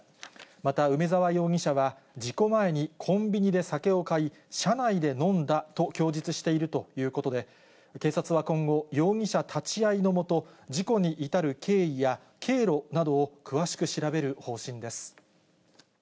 また、梅沢容疑者は、事故前にコンビニで酒を買い、車内で飲んだと供述しているということで、警察は今後、容疑者立ち会いの下、事故に至る経緯や経路などを詳しく調べる方針です。